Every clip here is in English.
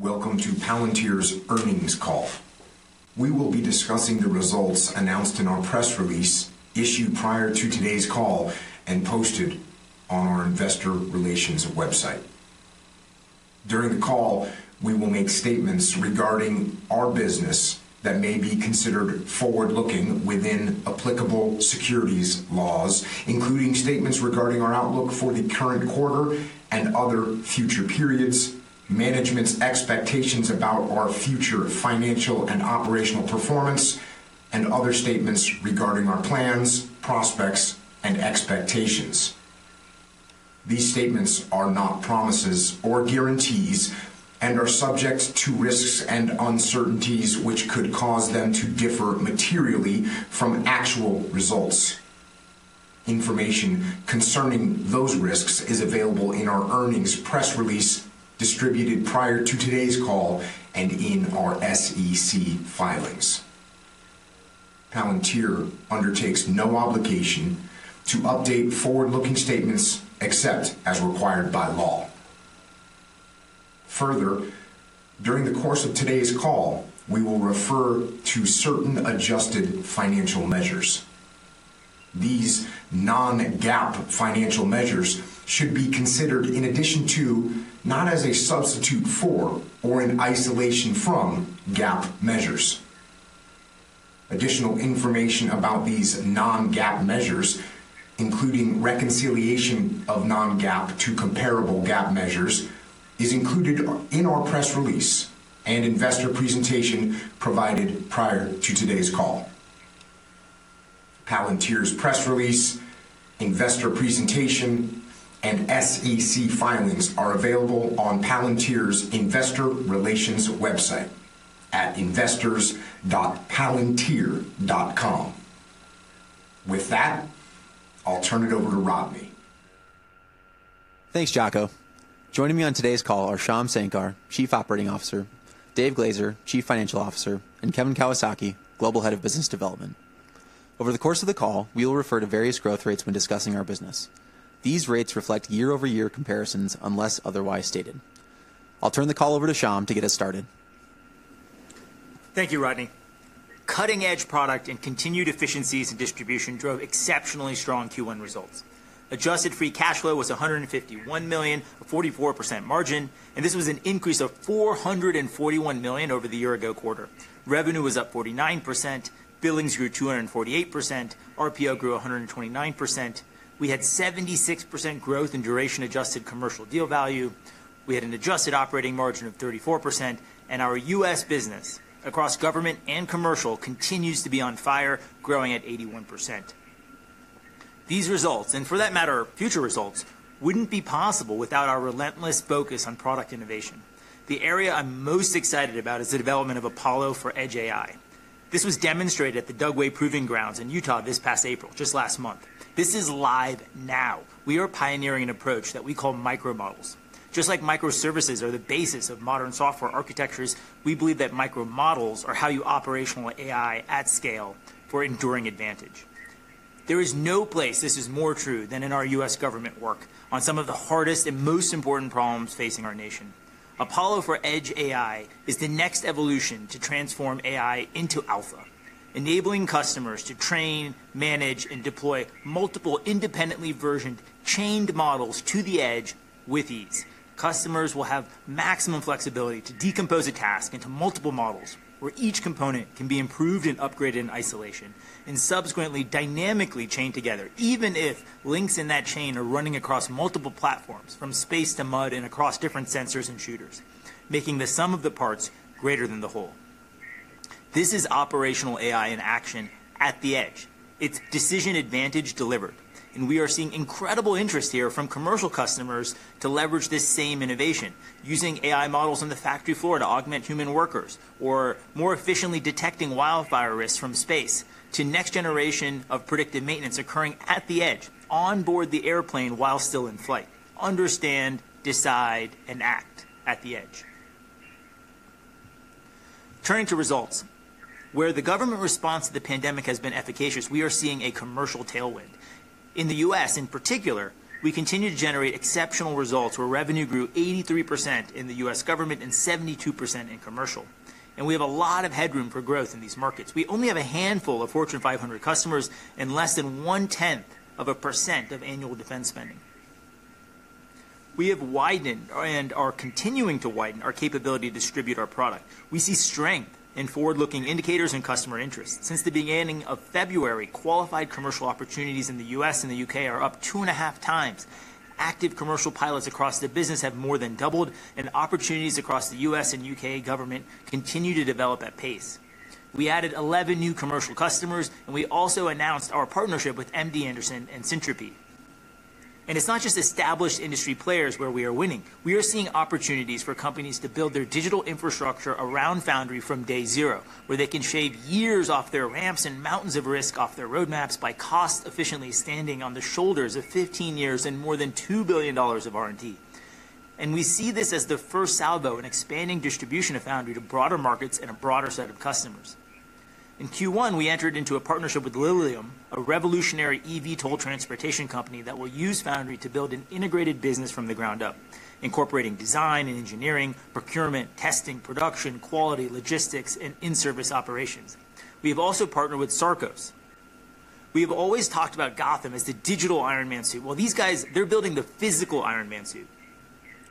Welcome to Palantir's earnings call. We will be discussing the results announced in our press release issued prior to today's call and posted on our investor relations website. During the call, we will make statements regarding our business that may be considered forward-looking within applicable securities laws, including statements regarding our outlook for the current quarter and other future periods, management's expectations about our future financial and operational performance, and other statements regarding our plans, prospects, and expectations. These statements are not promises or guarantees and are subject to risks and uncertainties, which could cause them to differ materially from actual results. Information concerning those risks is available in our earnings press release distributed prior to today's call and in our SEC filings. Palantir undertakes no obligation to update forward-looking statements except as required by law. Further, during the course of today's call, we will refer to certain adjusted financial measures. These non-GAAP financial measures should be considered in addition to, not as a substitute for, or in isolation from, GAAP measures. Additional information about these non-GAAP measures, including reconciliation of non-GAAP to comparable GAAP measures, is included in our press release and investor presentation provided prior to today's call. Palantir's press release, investor presentation, and SEC filings are available on Palantir's investor relations website at investors.palantir.com. With that, I'll turn it over to Rodney. Thanks, Jaco. Joining me on today's call are Shyam Sankar, Chief Operating Officer, Dave Glazer, Chief Financial Officer, and Kevin Kawasaki, Global Head of Business Development. Over the course of the call, we will refer to various growth rates when discussing our business. These rates reflect year-over-year comparisons unless otherwise stated. I'll turn the call over to Shyam to get us started. Thank you, Rodney. Cutting-edge product and continued efficiencies in distribution drove exceptionally strong Q1 results. Adjusted free cash flow was $151 million, a 44% margin, and this was an increase of $441 million over the year ago quarter. Revenue was up 49%, billings grew 248%, RPO grew 129%. We had 76% growth in duration adjusted commercial deal value. We had an adjusted operating margin of 34%, and our U.S. business across government and commercial continues to be on fire, growing at 81%. These results, and for that matter, future results, wouldn't be possible without our relentless focus on product innovation. The area I'm most excited about is the development of Apollo for Edge AI. This was demonstrated at the Dugway Proving Grounds in Utah this past April, just last month. This is live now. We are pioneering an approach that we call micro models. Just like microservices are the basis of modern software architectures, we believe that micro models are how you operationalize AI at scale for enduring advantage. There is no place this is more true than in our U.S. government work on some of the hardest and most important problems facing our nation. Apollo for Edge AI is the next evolution to transform AI into Alpha, enabling customers to train, manage, and deploy multiple independently versioned chained models to the edge with ease. Customers will have maximum flexibility to decompose a task into multiple models where each component can be improved and upgraded in isolation and subsequently dynamically chained together, even if links in that chain are running across multiple platforms from space to mud and across different sensors and shooters, making the sum of the parts greater than the whole. This is operational AI in action at the edge. It's decision advantage delivered, and we are seeing incredible interest here from commercial customers to leverage this same innovation using AI models on the factory floor to augment human workers, or more efficiently detecting wildfire risks from space to next generation of predictive maintenance occurring at the edge onboard the airplane while still in flight. Understand, decide, and act at the edge. Turning to results. Where the government response to the pandemic has been efficacious, we are seeing a commercial tailwind. In the U.S. in particular, we continue to generate exceptional results where revenue grew 83% in the U.S. government and 72% in commercial, and we have a lot of headroom for growth in these markets. We only have a handful of Fortune 500 customers and less than 1/10 of a percent of annual defense spending. We have widened and are continuing to widen our capability to distribute our product. We see strength in forward-looking indicators and customer interest. Since the beginning of February, qualified commercial opportunities in the U.S. and the U.K. are up two and a half times. Active commercial pilots across the business have more than doubled, and opportunities across the U.S. and U.K. government continue to develop at pace. We added 11 new commercial customers, and we also announced our partnership with MD Anderson and Syntropy. It's not just established industry players where we are winning. We are seeing opportunities for companies to build their digital infrastructure around Foundry from day zero, where they can shave years off their ramps and mountains of risk off their roadmaps by cost efficiently standing on the shoulders of 15 years and more than $2 billion of R&D. We see this as the first salvo in expanding distribution of Foundry to broader markets and a broader set of customers. In Q1, we entered into a partnership with Lilium, a revolutionary eVTOL transportation company that will use Foundry to build an integrated business from the ground up, incorporating design and engineering, procurement, testing, production, quality, logistics, and in-service operations. We have also partnered with Sarcos. We have always talked about Gotham as the digital Iron Man suit. These guys, they're building the physical Iron Man suit.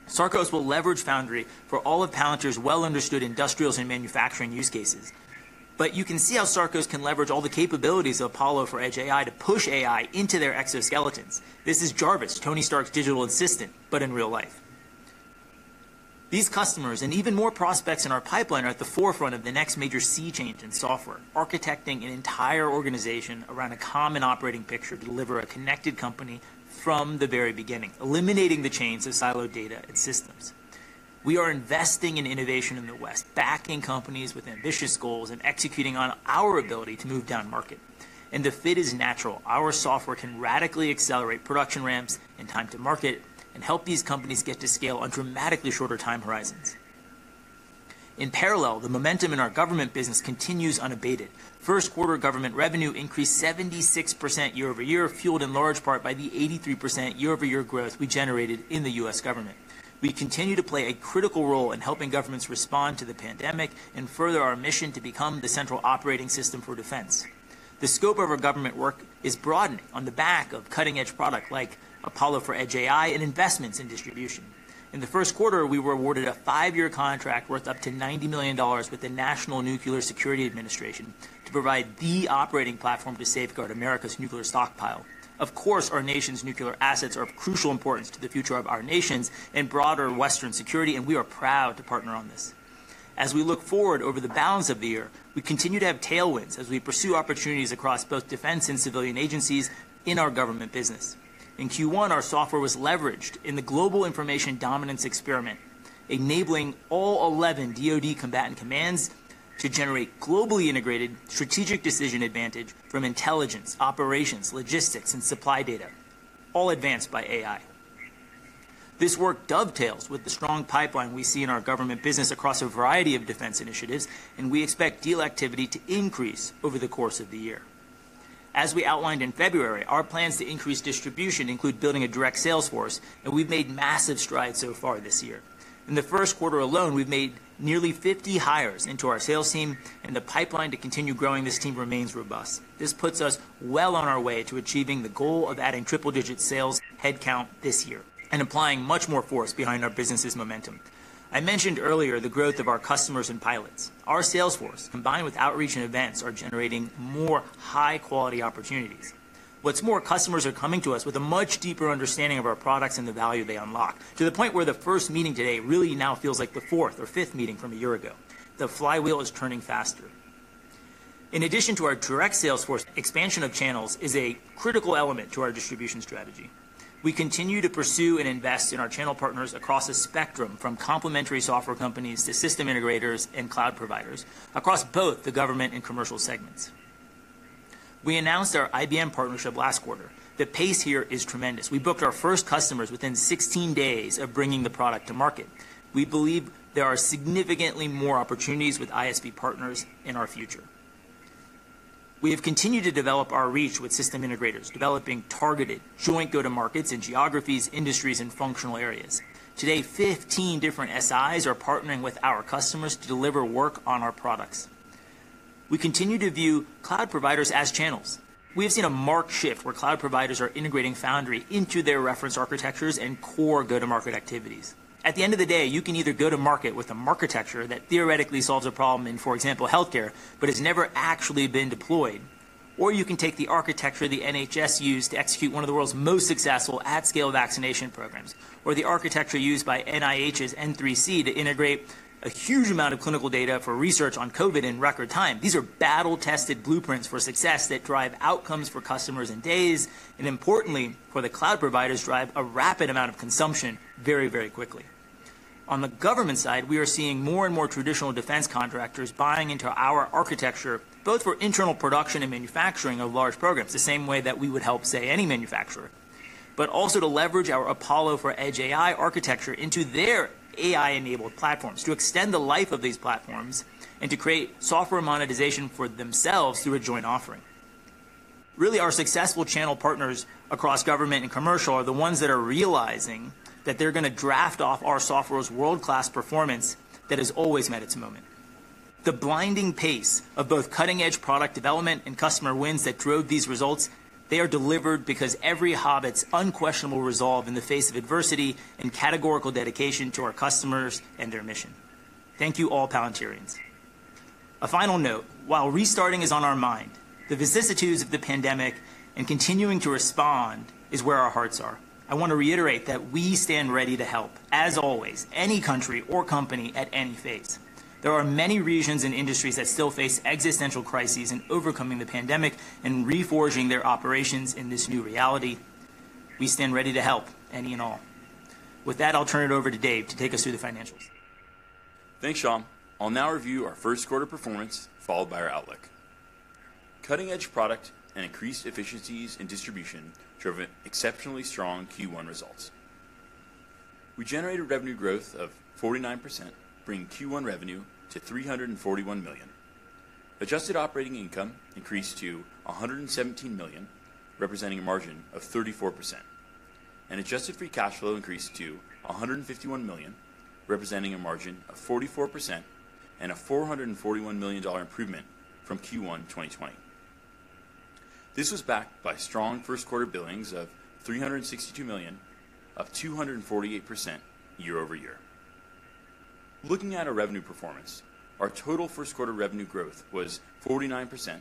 Sarcos will leverage Foundry for all of Palantir's well-understood industrials and manufacturing use cases. You can see how Sarcos can leverage all the capabilities of Apollo for Edge AI to push AI into their exoskeletons. This is JARVIS, Tony Stark's digital assistant, but in real life. These customers and even more prospects in our pipeline are at the forefront of the next major sea change in software, architecting an entire organization around a common operating picture to deliver a connected company from the very beginning, eliminating the chains of siloed data and systems. We are investing in innovation in the West, backing companies with ambitious goals and executing on our ability to move down market. The fit is natural. Our software can radically accelerate production ramps and time to market and help these companies get to scale on dramatically shorter time horizons. In parallel, the momentum in our government business continues unabated. First quarter government revenue increased 76% year-over-year, fueled in large part by the 83% year-over-year growth we generated in the U.S. government. We continue to play a critical role in helping governments respond to the pandemic and further our mission to become the central operating system for defense. The scope of our government work is broadening on the back of cutting-edge product like Apollo for Edge AI and investments in distribution. In the first quarter, we were awarded a five-year contract worth up to $90 million with the National Nuclear Security Administration to provide the operating platform to safeguard America's nuclear stockpile. Of course, our nation's nuclear assets are of crucial importance to the future of our nations and broader Western security, and we are proud to partner on this. As we look forward over the balance of the year, we continue to have tailwinds as we pursue opportunities across both defense and civilian agencies in our government business. In Q1, our software was leveraged in the Global Information Dominance Experiment, enabling all 11 DoD combatant commands to generate globally integrated strategic decision advantage from intelligence, operations, logistics, and supply data, all advanced by AI. We expect deal activity to increase over the course of the year. As we outlined in February, our plans to increase distribution include building a direct sales force. We've made massive strides so far this year. In the first quarter alone, we've made nearly 50 hires into our sales team. The pipeline to continue growing this team remains robust. This puts us well on our way to achieving the goal of adding triple-digit sales headcount this year and applying much more force behind our business's momentum. I mentioned earlier the growth of our customers and pilots. Our sales force, combined with outreach and events, are generating more high-quality opportunities. What's more, customers are coming to us with a much deeper understanding of our products and the value they unlock, to the point where the first meeting today really now feels like the fourth or fifth meeting from a year ago. The flywheel is turning faster. In addition to our direct sales force, expansion of channels is a critical element to our distribution strategy. We continue to pursue and invest in our channel partners across a spectrum from complementary software companies to system integrators and cloud providers across both the government and commercial segments. We announced our IBM partnership last quarter. The pace here is tremendous. We booked our first customers within 16 days of bringing the product to market. We believe there are significantly more opportunities with ISV partners in our future. We have continued to develop our reach with system integrators, developing targeted joint go-to-markets in geographies, industries, and functional areas. Today, 15 different SIs are partnering with our customers to deliver work on our products. We continue to view cloud providers as channels. We have seen a marked shift where cloud providers are integrating Foundry into their reference architectures and core go-to-market activities. At the end of the day, you can either go to market with a marketecture that theoretically solves a problem in, for example, healthcare, but has never actually been deployed, or you can take the architecture the NHS used to execute one of the world's most successful at-scale vaccination programs, or the architecture used by NIH's N3C to integrate a huge amount of clinical data for research on COVID in record time. These are battle-tested blueprints for success that drive outcomes for customers in days, and importantly, for the cloud providers, drive a rapid amount of consumption very, very quickly. On the government side, we are seeing more and more traditional defense contractors buying into our architecture, both for internal production and manufacturing of large programs, the same way that we would help, say, any manufacturer, but also to leverage our Apollo for Edge AI architecture into their AI-enabled platforms to extend the life of these platforms and to create software monetization for themselves through a joint offering. Really, our successful channel partners across government and commercial are the ones that are realizing that they're going to draft off our software's world-class performance that has always met its moment. The blinding pace of both cutting-edge product development and customer wins that drove these results, they are delivered because every Hobbit's unquestionable resolve in the face of adversity and categorical dedication to our customers and their mission. Thank you, all Palantirians. A final note. While restarting is on our mind, the vicissitudes of the pandemic and continuing to respond is where our hearts are. I want to reiterate that we stand ready to help, as always, any country or company at any phase. There are many regions and industries that still face existential crises in overcoming the pandemic and reforging their operations in this new reality. We stand ready to help any and all. With that, I'll turn it over to Dave to take us through the financials. Thanks, Shyam. I'll now review our first quarter performance, followed by our outlook. Cutting-edge product and increased efficiencies in distribution drove exceptionally strong Q1 results. We generated revenue growth of 49%, bringing Q1 revenue to $341 million. Adjusted operating income increased to $117 million, representing a margin of 34%. Adjusted free cash flow increased to $151 million, representing a margin of 44% and a $441 million improvement from Q1 2020. This was backed by strong first quarter billings of $362 million, up 248% year-over-year. Looking at our revenue performance, our total first quarter revenue growth was 49%,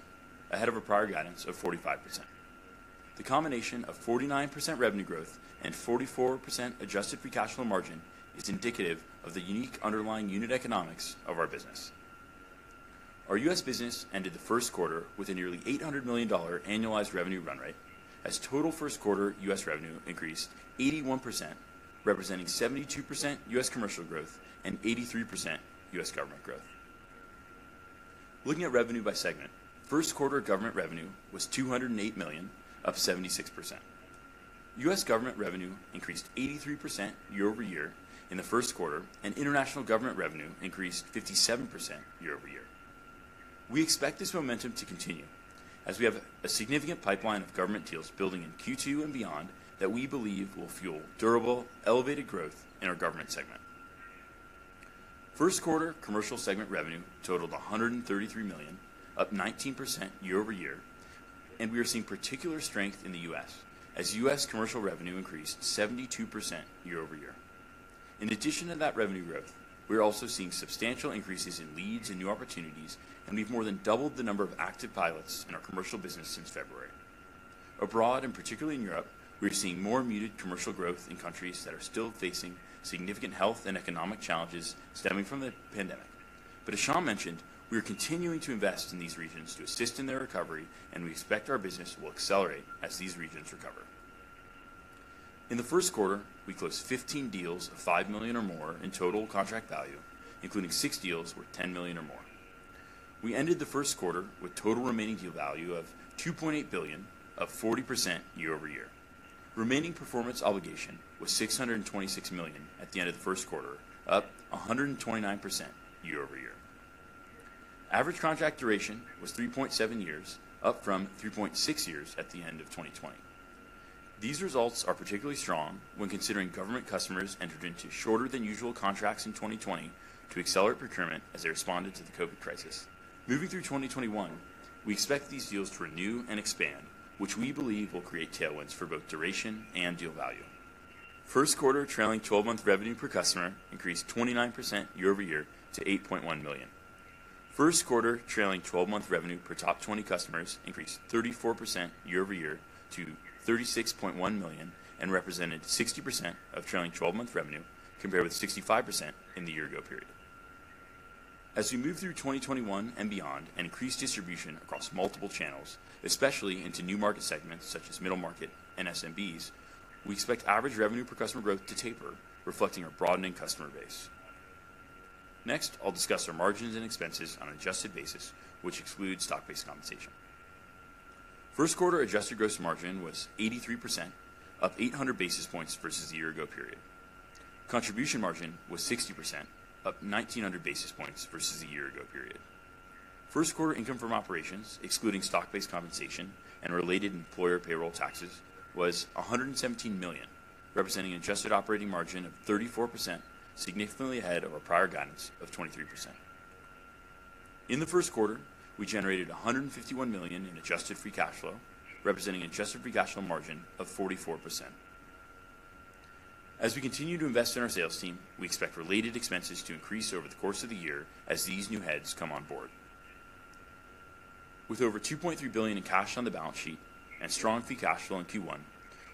ahead of our prior guidance of 45%. The combination of 49% revenue growth and 44% adjusted free cash flow margin is indicative of the unique underlying unit economics of our business. Our U.S. business ended the first quarter with a nearly $800 million annualized revenue run rate, as total first quarter U.S. revenue increased 81%, representing 72% U.S. commercial growth and 83% U.S. government growth. Looking at revenue by segment, first quarter government revenue was $208 million, up 76%. U.S. government revenue increased 83% year-over-year in the first quarter, and international government revenue increased 57% year-over-year. We expect this momentum to continue as we have a significant pipeline of government deals building in Q2 and beyond that we believe will fuel durable, elevated growth in our government segment. First quarter commercial segment revenue totaled $133 million, up 19% year-over-year, and we are seeing particular strength in the U.S., as U.S. commercial revenue increased 72% year-over-year. In addition to that revenue growth, we are also seeing substantial increases in leads and new opportunities, we've more than doubled the number of active pilots in our commercial business since February. Abroad, particularly in Europe, we are seeing more muted commercial growth in countries that are still facing significant health and economic challenges stemming from the pandemic. As Shyam mentioned, we are continuing to invest in these regions to assist in their recovery, we expect our business will accelerate as these regions recover. In the first quarter, we closed 15 deals of $5 million or more in total contract value, including six deals worth $10 million or more. We ended the first quarter with total remaining deal value of $2.8 billion, up 40% year-over-year. Remaining performance obligation was $626 million at the end of the first quarter, up 129% year-over-year. Average contract duration was 3.7 years, up from 3.6 years at the end of 2020. These results are particularly strong when considering government customers entered into shorter than usual contracts in 2020 to accelerate procurement as they responded to the COVID-19 crisis. Moving through 2021, we expect these deals to renew and expand, which we believe will create tailwinds for both duration and deal value. First quarter trailing 12-month revenue per customer increased 29% year-over-year to $8.1 million. First quarter trailing 12-month revenue per top 20 customers increased 34% year-over-year to $36.1 million and represented 60% of trailing 12-month revenue, compared with 65% in the year ago period. As we move through 2021 and beyond and increase distribution across multiple channels, especially into new market segments such as middle market and SMBs, we expect average revenue per customer growth to taper, reflecting our broadening customer base. Next, I'll discuss our margins and expenses on an adjusted basis, which excludes stock-based compensation. First quarter adjusted gross margin was 83%, up 800 basis points versus the year ago period. Contribution margin was 60%, up 1,900 basis points versus the year ago period. First quarter income from operations, excluding stock-based compensation and related employer payroll taxes, was $117 million, representing adjusted operating margin of 34%, significantly ahead of our prior guidance of 23%. In the first quarter, we generated $151 million in adjusted free cash flow, representing adjusted free cash flow margin of 44%. As we continue to invest in our sales team, we expect related expenses to increase over the course of the year as these new heads come on board. With over $2.3 billion in cash on the balance sheet and strong free cash flow in Q1,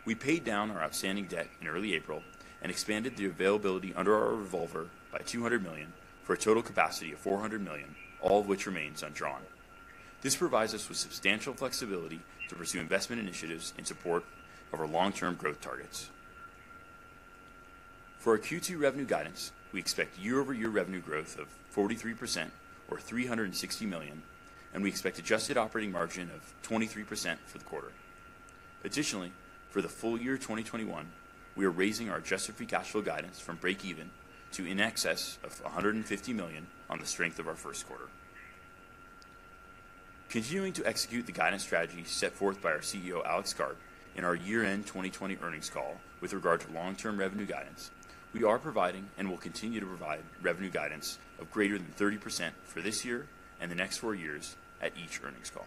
we paid down our outstanding debt in early April and expanded the availability under our revolver by $200 million for a total capacity of $400 million, all of which remains undrawn. This provides us with substantial flexibility to pursue investment initiatives in support of our long-term growth targets. For our Q2 revenue guidance, we expect year-over-year revenue growth of 43%, or $360 million, and we expect adjusted operating margin of 23% for the quarter. Additionally, for the full year 2021, we are raising our adjusted free cash flow guidance from break even to in excess of $150 million on the strength of our first quarter. Continuing to execute the guidance strategy set forth by our CEO, Alex Karp, in our year-end 2020 earnings call with regard to long-term revenue guidance, we are providing and will continue to provide revenue guidance of greater than 30% for this year and the next four years at each earnings call.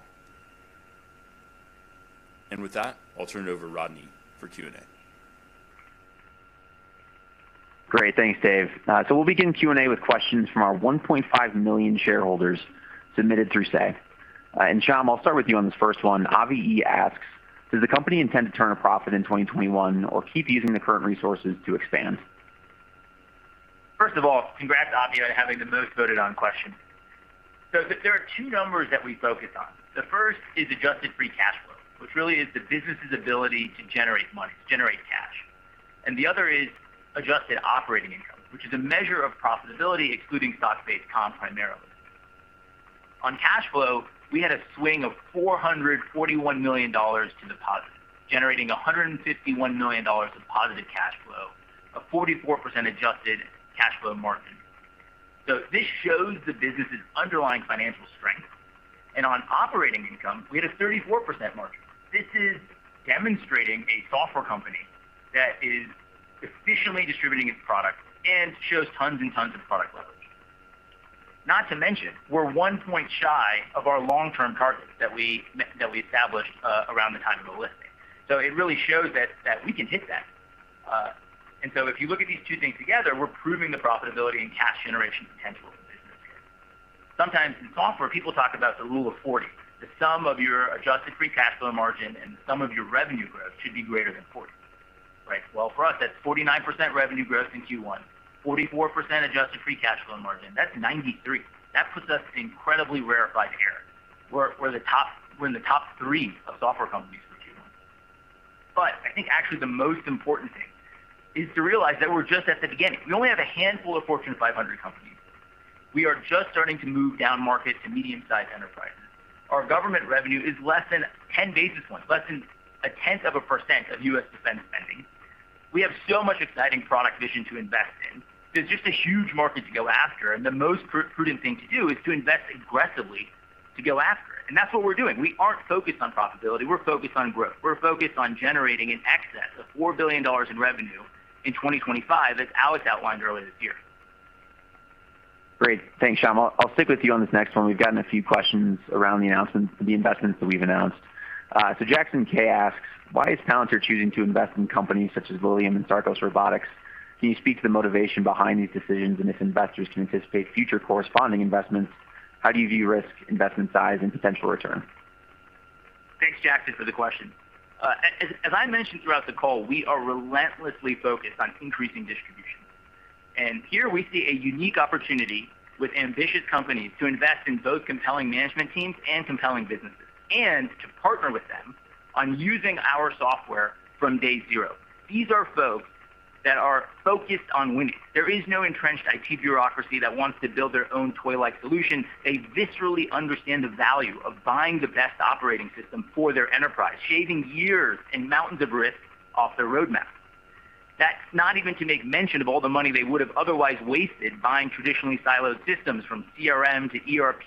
With that, I'll turn it over to Rodney for Q&A. Great. Thanks, Dave. We'll begin Q&A with questions from our 1.5 million shareholders submitted through Say. Shyam, I'll start with you on this first one. Avi E. asks, "Does the company intend to turn a profit in 2021 or keep using the current resources to expand? First of all, congrats, Avi, on having the most voted on question. There are two numbers that we focus on. The first is adjusted free cash flow, which really is the business's ability to generate money, to generate cash. The other is adjusted operating income, which is a measure of profitability, excluding stock-based comp primarily. On cash flow, we had a swing of $441 million to deposit, generating $151 million of positive cash flow, a 44% adjusted cash flow margin. This shows the business' underlying financial strength. On operating income, we had a 34% margin. This is demonstrating a software company that is efficiently distributing its product and shows tons and tons of product leverage. Not to mention, we're one point shy of our long-term targets that we established around the time of the listing. It really shows that we can hit that. If you look at these two things together, we're proving the profitability and cash generation potential of the business here. Sometimes in software, people talk about the Rule of 40, the sum of your adjusted free cash flow margin and the sum of your revenue growth should be greater than 40, right? Well, for us, that's 49% revenue growth in Q1, 44% adjusted free cash flow margin. That's 93%. I think actually the most important thing is to realize that we're just at the beginning. We only have a handful of Fortune 500 companies. We are just starting to move down market to medium-sized enterprises. Our government revenue is less than 10 basis points, less than a tenth of a percent of U.S. defense spending. We have so much exciting product vision to invest in. There's just a huge market to go after, and the most prudent thing to do is to invest aggressively to go after it. That's what we're doing. We aren't focused on profitability. We're focused on growth. We're focused on generating in excess of $4 billion in revenue in 2025 as Alex outlined earlier this year. Great. Thanks, Shyam. I'll stick with you on this next one. We've gotten a few questions around the investments that we've announced. Jackson K asks, "Why is Palantir choosing to invest in companies such as Lilium and Sarcos Robotics? Can you speak to the motivation behind these decisions and if investors can anticipate future corresponding investments? How do you view risk, investment size, and potential return? Thanks, Jackson, for the question. As I mentioned throughout the call, we are relentlessly focused on increasing distribution. Here we see a unique opportunity with ambitious companies to invest in both compelling management teams and compelling businesses, and to partner with them on using our software from day zero. These are folks that are focused on winning. There is no entrenched IT bureaucracy that wants to build their own toy-like solution. They viscerally understand the value of buying the best operating system for their enterprise, shaving years and mountains of risk off their roadmap. That's not even to make mention of all the money they would have otherwise wasted buying traditionally siloed systems, from CRM to ERP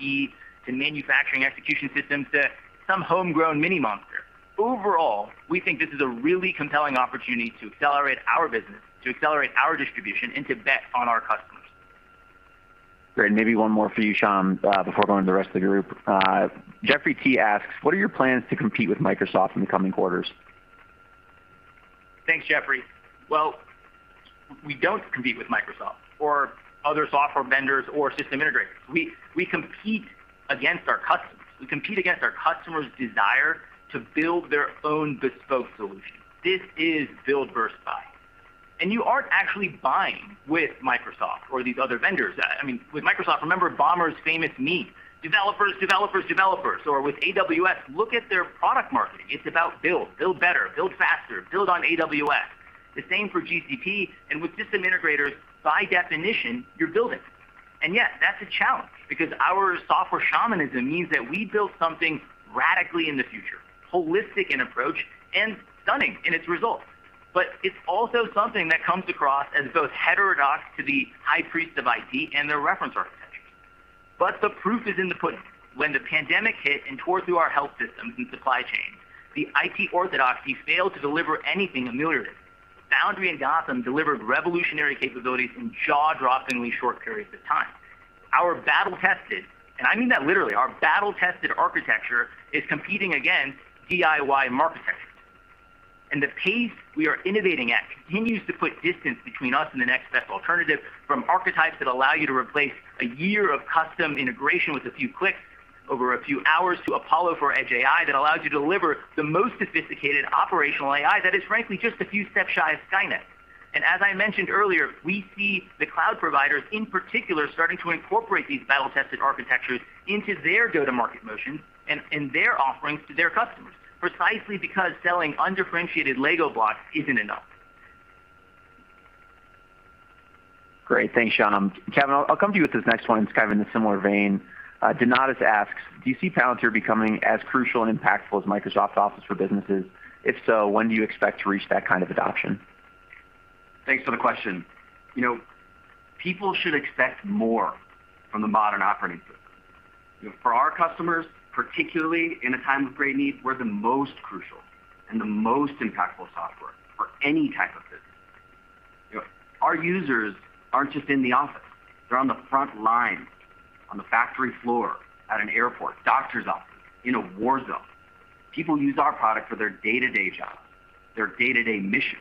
to manufacturing execution systems to some homegrown mini monster. Overall, we think this is a really compelling opportunity to accelerate our business, to accelerate our distribution, and to bet on our customers. Great. Maybe one more for you, Shyam, before going to the rest of the group. Jeffrey T asks, "What are your plans to compete with Microsoft in the coming quarters? Thanks, Jeffrey. Well, we don't compete with Microsoft or other software vendors or system integrators. We compete against our customers. We compete against our customers' desire to build their own bespoke solution. This is build versus buy. You aren't actually buying with Microsoft or these other vendors. With Microsoft, remember Ballmer's famous meme, "Developers, developers." With AWS, look at their product marketing. It's about build. Build better, build faster, build on AWS. The same for GCP. With system integrators, by definition, you're building. Yes, that's a challenge because our software shamanism means that we build something radically in the future, holistic in approach and stunning in its results. It's also something that comes across as both heterodox to the high priests of IT and their reference architectures. The proof is in the pudding. When the pandemic hit and tore through our health systems and supply chains, the IT orthodoxy failed to deliver anything of ameliorate. Foundry and Gotham delivered revolutionary capabilities in jaw-droppingly short periods of time. Our battle-tested, and I mean that literally, our battle-tested architecture is competing against DIY market trends. The pace we are innovating at continues to put distance between us and the next best alternative, from archetypes that allow you to replace a year of custom integration with a few clicks over a few hours to Apollo for Edge AI that allows you to deliver the most sophisticated operational AI that is frankly just a few steps shy of Skynet. As I mentioned earlier, we see the cloud providers in particular starting to incorporate these battle-tested architectures into their go-to-market motion and their offerings to their customers, precisely because selling undifferentiated Lego blocks isn't enough. Great. Thanks, Shyam. Kevin, I'll come to you with this next one. It's kind of in a similar vein. Donatus asks, "Do you see Palantir becoming as crucial and impactful as Microsoft Office for businesses? If so, when do you expect to reach that kind of adoption? Thanks for the question. People should expect more from the modern operating system. For our customers, particularly in a time of great need, we're the most crucial and the most impactful software for any type of business. Our users aren't just in the office. They're on the front lines, on the factory floor, at an airport, doctor's office, in a war zone. People use our product for their day-to-day job, their day-to-day mission.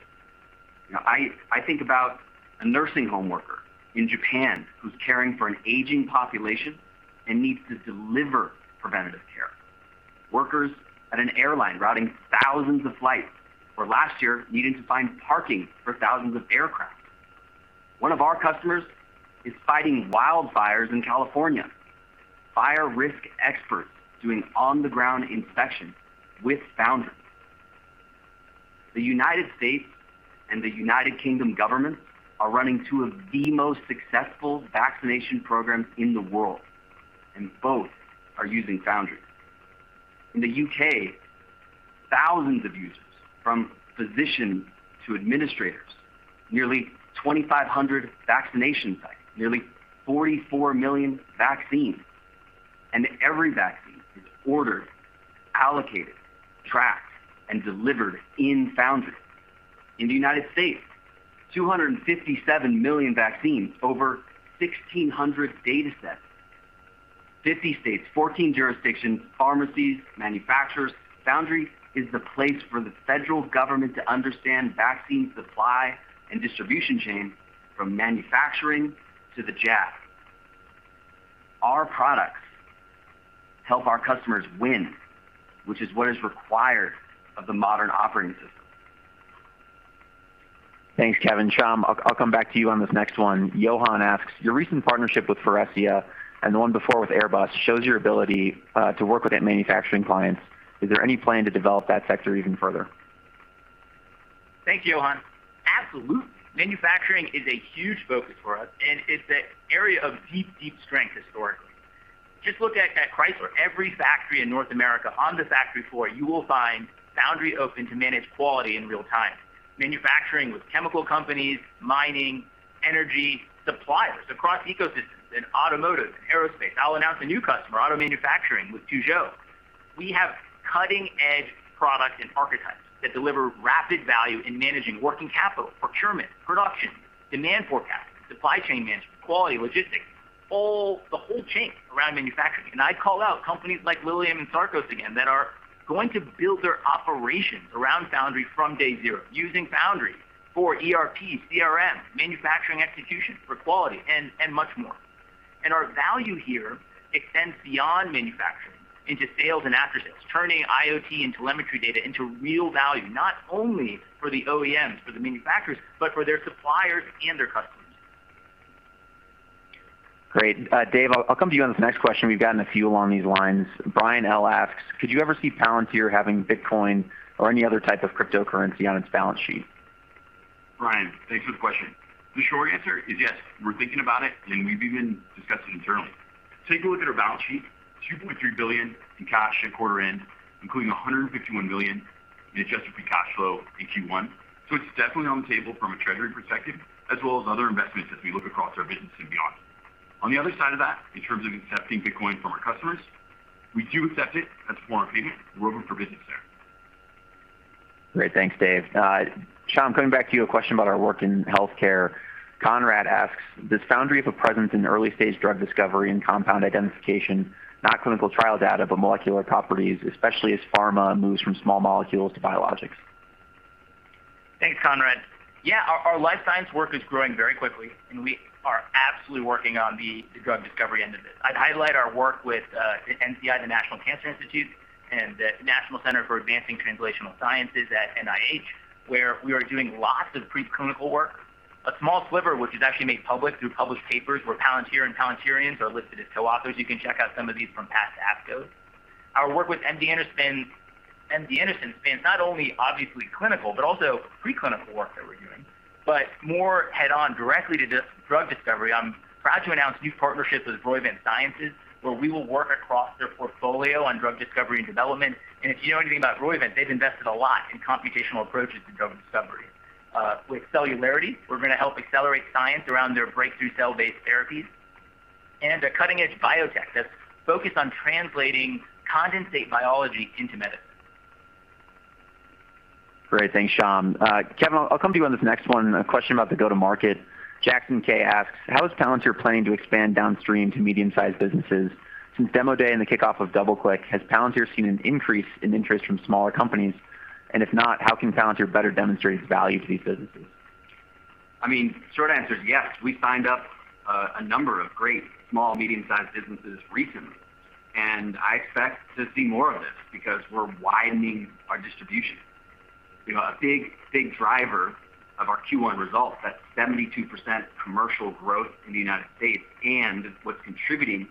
I think about a nursing home worker in Japan who's caring for an aging population and needs to deliver preventative care. Workers at an airline routing thousands of flights, or last year, needing to find parking for thousands of aircraft. One of our customers is fighting wildfires in California, fire risk experts doing on-the-ground inspections with Foundry. The U.S. and the U.K. governments are running two of the most successful vaccination programs in the world, and both are using Foundry. In the U.K., thousands of users, from physicians to administrators, nearly 2,500 vaccination sites, nearly 44 million vaccines, and every vaccine is ordered, allocated, tracked, and delivered in Foundry. In the U.S., 257 million vaccines, over 1,600 data sets, 50 states, 14 jurisdictions, pharmacies, manufacturers. Foundry is the place for the federal government to understand vaccine supply and distribution chain from manufacturing to the jab. Our products help our customers win, which is what is required of the modern operating system. Thanks, Kevin. Shyam, I'll come back to you on this next one. Johan asks, "Your recent partnership with Faurecia and the one before with Airbus shows your ability to work with end manufacturing clients. Is there any plan to develop that sector even further? Thank you, Johan. Absolutely. Manufacturing is a huge focus for us, and it's an area of deep strength historically. Just look at Chrysler. Every factory in North America, on the factory floor, you will find Foundry open to manage quality in real time. Manufacturing with chemical companies, mining, energy suppliers across ecosystems in automotive and aerospace. I'll announce a new customer, auto manufacturing with Peugeot. We have cutting-edge product and archetypes that deliver rapid value in managing working capital, procurement, production, demand forecasting, supply chain management, quality, logistics, the whole chain around manufacturing. I'd call out companies like Lilium and Sarcos again, that are going to build their operations around Foundry from day zero, using Foundry for ERP, CRM, manufacturing execution for quality, and much more. Our value here extends beyond manufacturing into sales and aftersales, turning IoT and telemetry data into real value, not only for the OEMs, for the manufacturers, but for their suppliers and their customers. Great. Dave, I'll come to you on this next question. We've gotten a few along these lines. Brian L. asks, "Could you ever see Palantir having Bitcoin or any other type of cryptocurrency on its balance sheet? Brian, thanks for the question. The short answer is yes. We're thinking about it, and we've even discussed it internally. Take a look at our balance sheet, $2.3 billion in cash at quarter end, including $151 million in adjusted free cash flow in Q1. It's definitely on the table from a treasury perspective, as well as other investments as we look across our business and beyond. On the other side of that, in terms of accepting Bitcoin from our customers, we do accept it as a form of payment. We're open for business there. Great. Thanks, Dave. Shyam, coming back to you, a question about our work in healthcare. Conrad asks, "Does Foundry have a presence in early-stage drug discovery and compound identification, not clinical trial data, but molecular properties, especially as pharma moves from small molecules to biologics? Thanks, Conrad. Our life science work is growing very quickly, and we are absolutely working on the drug discovery end of it. I'd highlight our work with NCI, the National Cancer Institute, and the National Center for Advancing Translational Sciences at NIH, where we are doing lots of pre-clinical work. A small sliver of which is actually made public through published papers, where Palantir and Palantirians are listed as co-authors. You can check out some of these from past ASCO. Our work with MD Anderson, not only obviously clinical, but also pre-clinical work that we're doing, but more head-on directly to drug discovery. I'm proud to announce new partnerships with Roivant Sciences, where we will work across their portfolio on drug discovery and development. If you know anything about Roivant, they've invested a lot in computational approaches to drug discovery. With Celularity, we're going to help accelerate science around their breakthrough cell-based therapies, and a cutting-edge biotech that's focused on translating condensate biology into medicine. Great. Thanks, Shyam. Kevin, I'll come to you on this next one, a question about the go to market. Jackson K. asks, "How is Palantir planning to expand downstream to medium-sized businesses? Since Demo Day and the kickoff of Double Click, has Palantir seen an increase in interest from smaller companies? And if not, how can Palantir better demonstrate its value to these businesses? Short answer is yes. We signed up a number of great SMBs recently, and I expect to see more of this because we're widening our distribution. A big driver of our Q1 results, that 72% commercial growth in the U.S. and what's contributing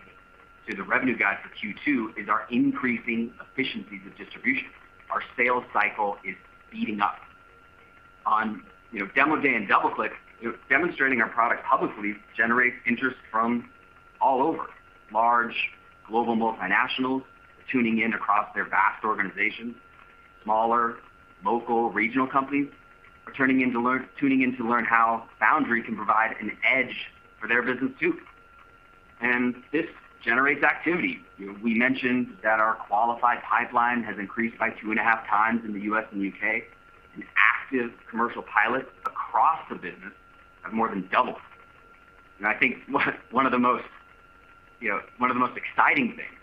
to the revenue guide for Q2, is our increasing efficiencies of distribution. Our sales cycle is speeding up. On Demo Day and Double Click, demonstrating our product publicly generates interest from all over. Large global multinationals are tuning in across their vast organizations. Smaller, local, regional companies are tuning in to learn how Foundry can provide an edge for their business too. This generates activity. We mentioned that our qualified pipeline has increased by two and a half times in the U.S. and U.K., and active commercial pilots across the business have more than doubled. I think one of the most exciting things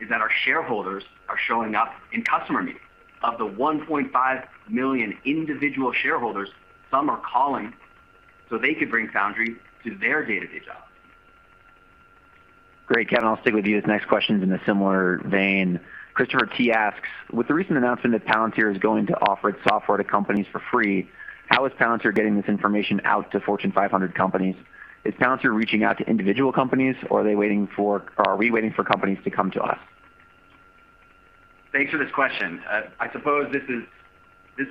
is that our shareholders are showing up in customer meetings. Of the 1.5 million individual shareholders, some are calling so they could bring Foundry to their day-to-day jobs. Great, Kevin. I'll stick with you. This next question is in a similar vein. Christopher T. asks, "With the recent announcement that Palantir is going to offer its software to companies for free, how is Palantir getting this information out to Fortune 500 companies? Is Palantir reaching out to individual companies, or are we waiting for companies to come to us? Thanks for this question. I suppose this is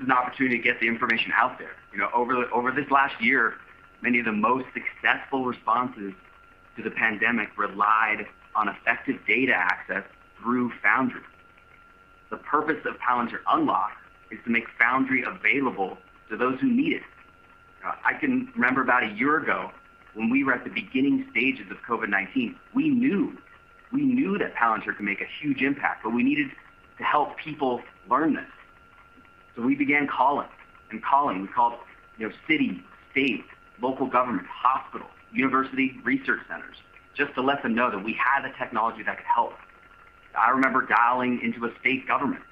an opportunity to get the information out there. Over this last year, many of the most successful responses to the pandemic relied on effective data access through Foundry. The purpose of Palantir Unlock is to make Foundry available to those who need it. I can remember about a year ago when we were at the beginning stages of COVID-19. We knew that Palantir could make a huge impact, but we needed to help people learn this. We began calling and calling. We called city, state, local government, hospitals, university research centers, just to let them know that we had a technology that could help. I remember dialing into a state government,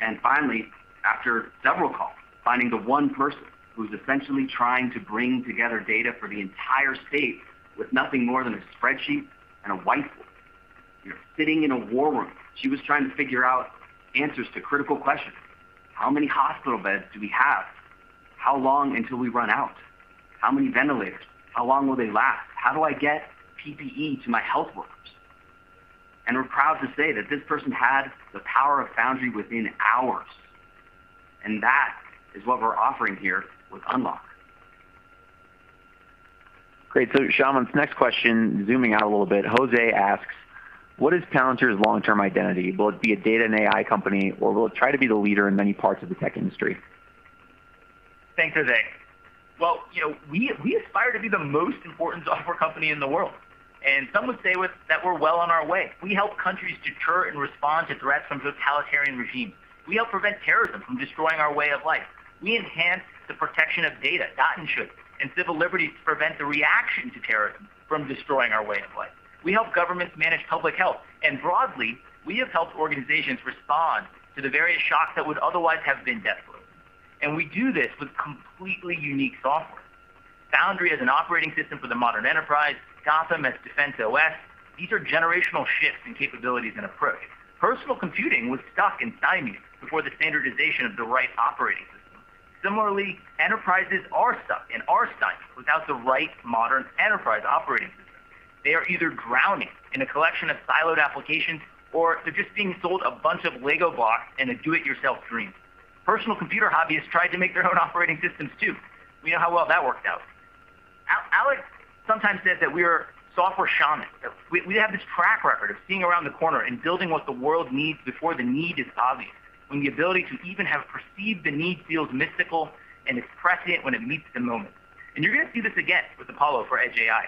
and finally, after several calls, finding the one person who's essentially trying to bring together data for the entire state with nothing more than a spreadsheet and a whiteboard. Sitting in a war room, she was trying to figure out answers to critical questions. How many hospital beds do we have? How long until we run out? How many ventilators? How long will they last? How do I get PPE to my health workers? We're proud to say that this person had the power of Foundry within hours, and that is what we're offering here with Unlock. Great. Shyam, this next question, zooming out a little bit, Jose asks, "What is Palantir's long-term identity? Will it be a data and AI company, or will it try to be the leader in many parts of the tech industry? Thanks, Jose. We aspire to be the most important software company in the world, and some would say that we're well on our way. We help countries deter and respond to threats from totalitarian regimes. We help prevent terrorism from destroying our way of life. We enhance the protection of data and civil liberties to prevent the reaction to terrorism from destroying our way of life. We help governments manage public health. Broadly, we have helped organizations respond to the various shocks that would otherwise have been death blows. We do this with completely unique software. Foundry as an operating system for the modern enterprise, Gotham as defense OS. These are generational shifts in capabilities and approach. Personal computing was stuck in timing before the standardization of the right operating system. Similarly, enterprises are stuck and are stifled without the right modern enterprise operating system. They are either drowning in a collection of siloed applications, or they're just being sold a bunch of Lego blocks and a do-it-yourself dream. Personal computer hobbyists tried to make their own operating systems, too. We know how well that worked out. Alex sometimes says that we are software shamans. We have this track record of seeing around the corner and building what the world needs before the need is obvious, when the ability to even have perceived the need feels mystical and is prescient when it meets the moment. You're going to see this again with Apollo for Edge AI.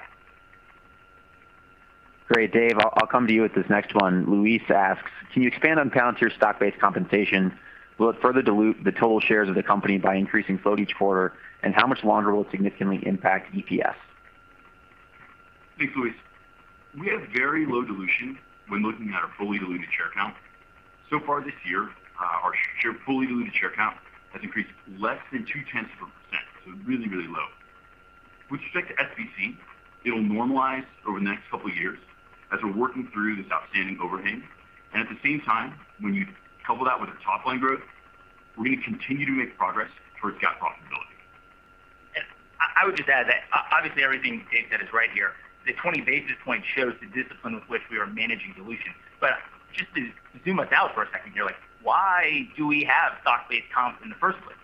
Great. Dave, I'll come to you with this next one. Luis asks, "Can you expand on Palantir's stock-based compensation? Will it further dilute the total shares of the company by increasing float each quarter? How much longer will it significantly impact EPS? Thanks, Luis. We have very low dilution when looking at our fully diluted share count. So far this year, our fully diluted share count has increased less than 0.2%, so really, really low. With respect to SBC, it'll normalize over the next couple of years as we're working through this outstanding overhang. At the same time, when you couple that with our top-line growth, we're going to continue to make progress towards GAAP profitability. I would just add that obviously everything Dave said is right here. The 20 basis point shows the discipline with which we are managing dilution. Just to zoom us out for a second here, why do we have stock-based comp in the first place?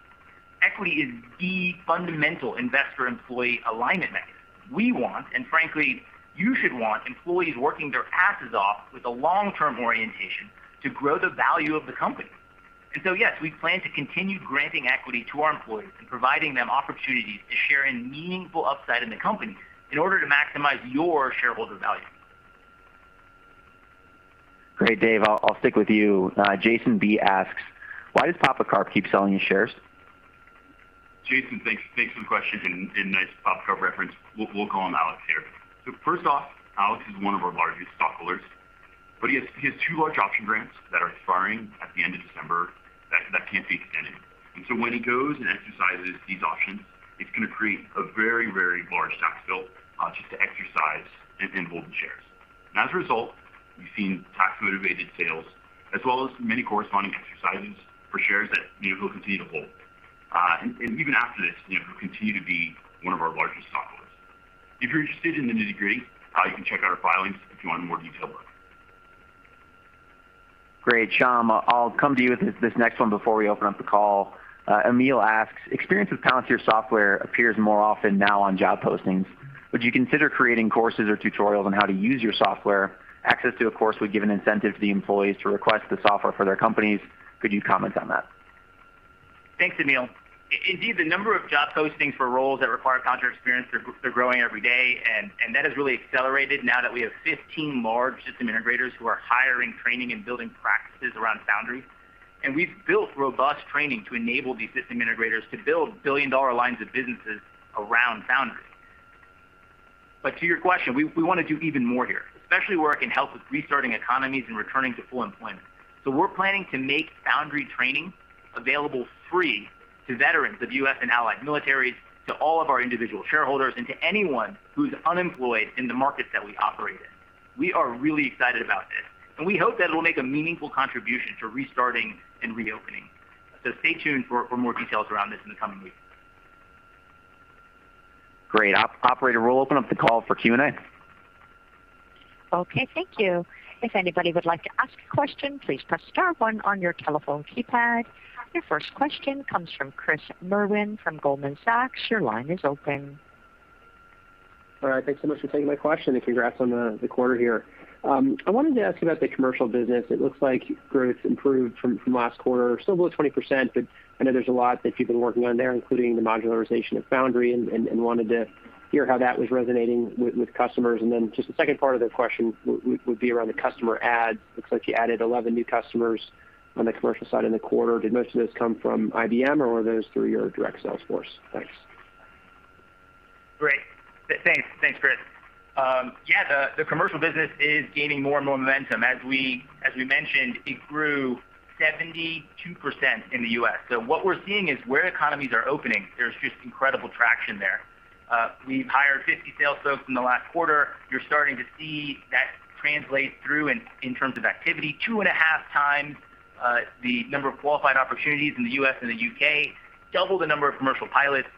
Equity is the fundamental investor-employee alignment mechanism. We want, and frankly, you should want employees working their asses off with a long-term orientation to grow the value of the company. Yes, we plan to continue granting equity to our employees and providing them opportunities to share in meaningful upside in the company in order to maximize your shareholder value. Great. Dave, I'll stick with you. Jason B asks, "Why does Alex Karp keep selling his shares? Jason, thanks for the question. Nice pop culture reference. We'll call him Alex Karp here. First off, Alex Karp is one of our largest stockholders. He has two large option grants that are expiring at the end of December that cannot be extended. When he goes and exercises these options, it's going to create a very, very large tax bill just to exercise and hold the shares. As a result, we've seen tax-motivated sales as well as many corresponding exercises for shares that he will continue to hold. Even after this, he'll continue to be one of our largest stockholders. If you're interested in the nitty-gritty, you can check out our filings if you want a more detailed look. Great. Shyam, I'll come to you with this next one before we open up the call. Emil asks, "Experience with Palantir software appears more often now on job postings. Would you consider creating courses or tutorials on how to use your software? Access to a course would give an incentive to the employees to request the software for their companies. Could you comment on that? Thanks, Emil. The number of job postings for roles that require Palantir experience are growing every day, and that has really accelerated now that we have 15 large system integrators who are hiring, training, and building practices around Foundry. We've built robust training to enable these system integrators to build billion-dollar lines of businesses around Foundry. To your question, we want to do even more here, especially where it can help with restarting economies and returning to full employment. We're planning to make Foundry training available free to veterans of U.S. and allied militaries, to all of our individual shareholders, and to anyone who's unemployed in the markets that we operate in. We are really excited about this, and we hope that it'll make a meaningful contribution to restarting and reopening. Stay tuned for more details around this in the coming weeks. Great. Operator, we'll open up the call for Q&A. Okay, thank you. If anybody would like to ask a question, please press star one on your telephone keypad Your first question comes from Chris Merwin from Goldman Sachs. Your line is open. All right. Thanks so much for taking my question, and congrats on the quarter here. I wanted to ask about the commercial business. It looks like growth improved from last quarter, still below 20%, but I know there's a lot that you've been working on there, including the modularization of Foundry, and wanted to hear how that was resonating with customers. Then just the second part of the question would be around the customer adds. Looks like you added 11 new customers on the commercial side in the quarter. Did most of those come from IBM, or were those through your direct sales force? Thanks. Great. Thanks, Chris. Yeah, the commercial business is gaining more and more momentum. As we mentioned, it grew 72% in the U.S. What we're seeing is where economies are opening, there's just incredible traction there. We've hired 50 sales folks in the last quarter. You're starting to see that translate through in terms of activity. 2.5x the number of qualified opportunities in the U.S. and the U.K. Doubled the number of commercial pilots.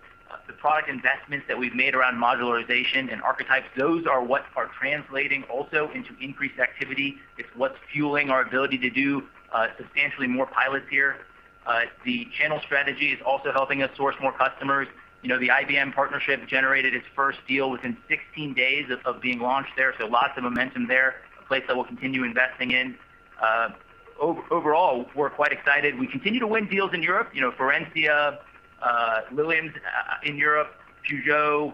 The product investments that we've made around modularization and archetypes, those are what are translating also into increased activity. It's what's fueling our ability to do substantially more pilots here. The channel strategy is also helping us source more customers. The IBM partnership generated its first deal within 16 days of being launched there. Lots of momentum there, a place that we'll continue investing in. Overall, we're quite excited. We continue to win deals in Europe, Faurecia, Williams in Europe, Peugeot,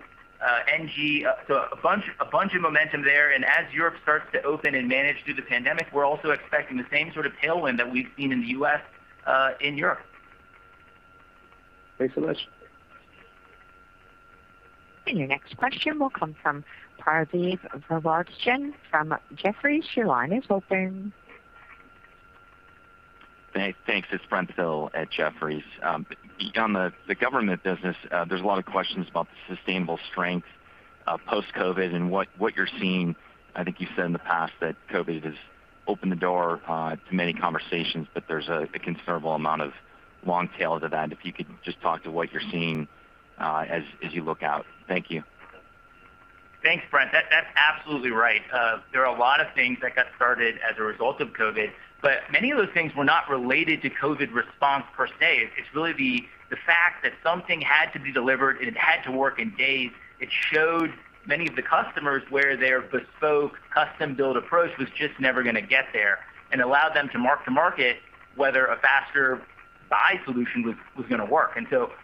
ENGIE, so a bunch of momentum there. As Europe starts to open and manage through the pandemic, we're also expecting the same sort of tailwind that we've seen in the U.S., in Europe. Thanks so much. Your next question will come from Parvi Provokzian from Jefferies. Your line is open. Thanks. It's Brent Thill at Jefferies. On the government business, there's a lot of questions about the sustainable strength post-COVID and what you're seeing. I think you said in the past that COVID has opened the door to many conversations, but there's a considerable amount of long tail to that. If you could just talk to what you're seeing as you look out. Thank you. Thanks, Brent. That's absolutely right. There are a lot of things that got started as a result of COVID, but many of those things were not related to COVID response per se. It's really the fact that something had to be delivered, and it had to work in days. It showed many of the customers where their bespoke custom-build approach was just never going to get there, and allowed them to mark-to-market whether a faster buy solution was going to work.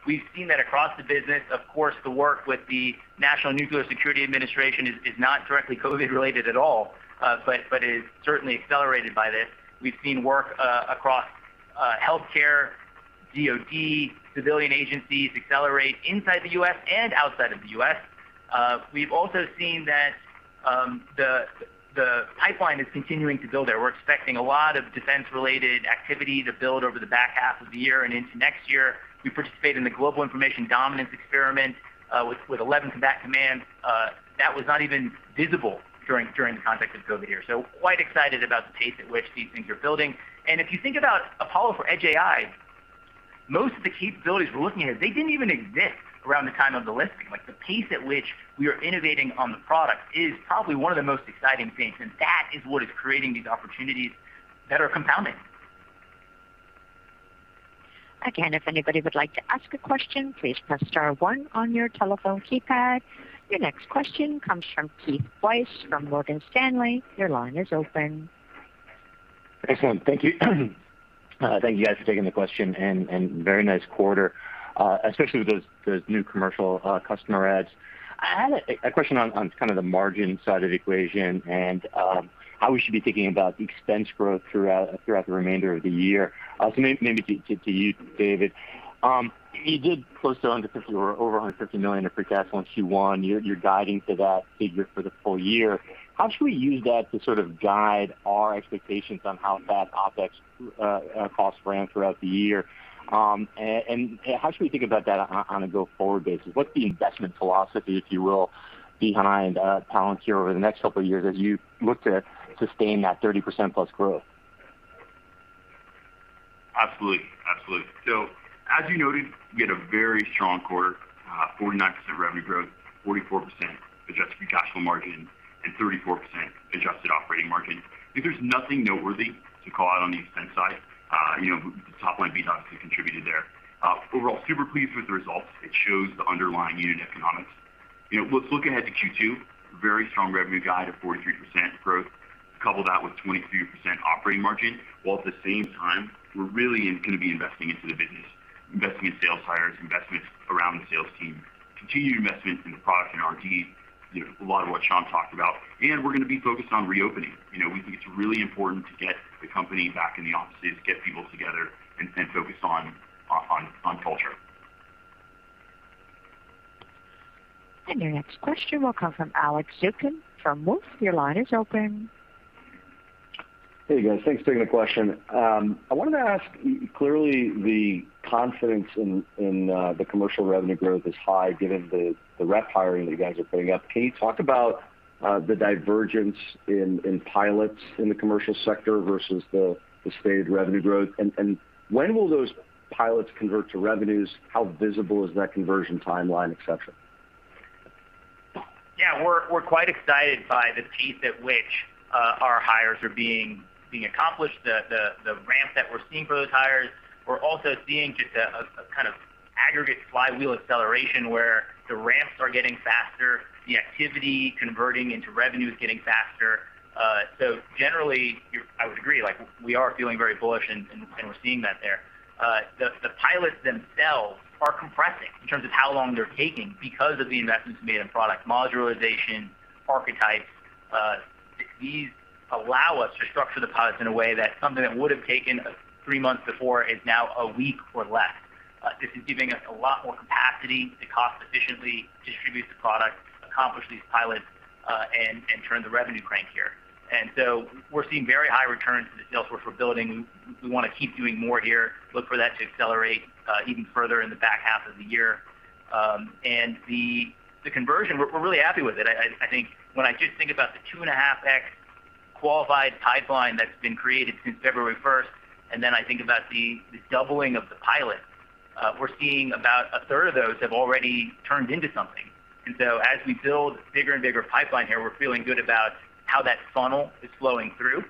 We've seen that across the business. Of course, the work with the National Nuclear Security Administration is not directly COVID related at all, but is certainly accelerated by this. We've seen work across healthcare, DoD, civilian agencies accelerate inside the U.S. and outside of the U.S. We've also seen that the pipeline is continuing to build there. We're expecting a lot of defense-related activity to build over the back half of the year and into next year. We participate in the Global Information Dominance Experiment, with 11 combat commands. That was not even visible during the context of COVID year. Quite excited about the pace at which these things are building. If you think about Apollo for Edge AI, most of the capabilities we're looking at, they didn't even exist around the time of the listing. The pace at which we are innovating on the product is probably one of the most exciting things, and that is what is creating these opportunities that are compounding. Again, if anybody would like to ask a question, please press star one on your telephone keypad. Your next question comes from Keith Weiss from Morgan Stanley. Your line is open. Excellent. Thank you. Thank you guys for taking the question, very nice quarter, especially with those new commercial customer adds. I had a question on kind of the margin side of the equation and how we should be thinking about the expense growth throughout the remainder of the year. Maybe to you, Dave. You did close to $150 million or over $150 million of free cash flow in Q1. You're guiding to that figure for the full year. How should we use that to sort of guide our expectations on how fast OpEx costs ran throughout the year? How should we think about that on a go-forward basis? What's the investment philosophy, if you will, behind Palantir over the next couple of years as you look to sustain that 30%+ growth? Absolutely. As you noted, we had a very strong quarter, 49% revenue growth, 44% adjusted free cash flow margin, and 34% adjusted operating margin. I think there's nothing noteworthy to call out on the expense side. The top-line beat obviously contributed there. Overall, super pleased with the results. It shows the underlying unit economics. Let's look ahead to Q2, very strong revenue guide of 43% growth. Couple that with 23% operating margin, while at the same time, we're really going to be investing into the business. Investing in sales hires, investments around the sales team, continued investments in the product and R&D, a lot of what Shyam talked about, and we're going to be focused on reopening. We think it's really important to get the company back in the offices, get people together, and focus on culture. Your next question will come from Alex Zukin from Wolfe. Hey, guys. Thanks for taking the question. I wanted to ask, clearly the confidence in the commercial revenue growth is high given the rep hiring that you guys are putting up. Can you talk about the divergence in pilots in the commercial sector versus the stated revenue growth, and when will those pilots convert to revenues? How visible is that conversion timeline, et cetera? Yeah, we're quite excited by the pace at which our hires are being accomplished, the ramp that we're seeing for those hires. We're also seeing just a kind of aggregate flywheel acceleration where the ramps are getting faster, the activity converting into revenue is getting faster. Generally, I would agree, we are feeling very bullish and we're seeing that there. The pilots themselves are compressing in terms of how long they're taking because of the investments made in product modularization, archetypes. These allow us to structure the pilots in a way that something that would've taken three months before is now a week or less. This is giving us a lot more capacity to cost efficiently distribute the product, accomplish these pilots, and turn the revenue crank here. And so we're seeing very high returns on the Sales force we're building. We want to keep doing more here, look for that to accelerate even further in the back half of the year. The conversion, we're really happy with it. I think when I just think about the 2.5x qualified pipeline that's been created since February 1st, then I think about the doubling of the pilots, we're seeing about a third of those have already turned into something. As we build bigger and bigger pipeline here, we're feeling good about how that funnel is flowing through.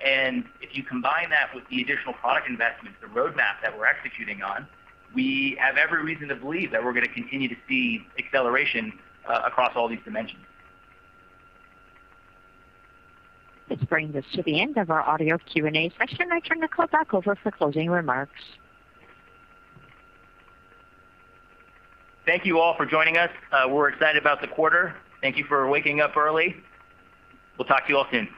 If you combine that with the additional product investments, the roadmap that we're executing on, we have every reason to believe that we're going to continue to see acceleration across all these dimensions. This brings us to the end of our audio Q&A session. I turn the call back over for closing remarks. Thank you all for joining us. We're excited about the quarter. Thank you for waking up early. We'll talk to you all soon.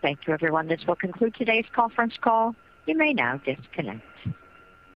Thank you, everyone. This will conclude today's conference call. You may now disconnect.